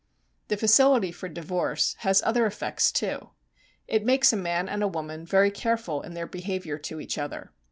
The facility for divorce has other effects too. It makes a man and a woman very careful in their behaviour to each other.